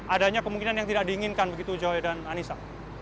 adanya kemungkinan yang tidak diinginkan begitu joy dan anissa